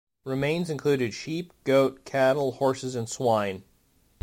Remains included sheep, goat, cattle, horses and swine.